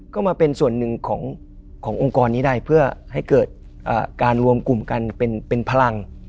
ก็มาเป็นส่วนหนึ่งขององค์กรนี้ได้เพื่อให้เกิดการรวมกลุ่มกันเป็นพลัง